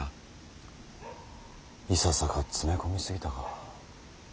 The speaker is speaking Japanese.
いささか詰め込み過ぎたか。